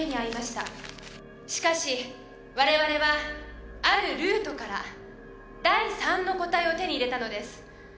しかし我々はあるルートから第３の個体を手に入れたのです。